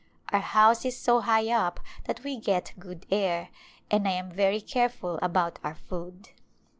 Our house is so high up that we get good air, and I am very careful about our food.